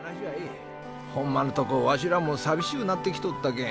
ホンマのとこわしらもさみしゅうなってきとったけん。